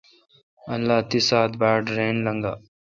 اللہ تی ساعت باٹ رل لنگہ۔